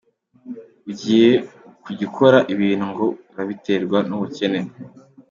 Ugiye kujya ukora ibintu ngo urabiterwa n’ubukene,.